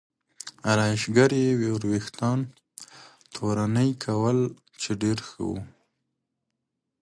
ارایشګرې یې وریښتان تورنۍ کول چې ډېر ښه و.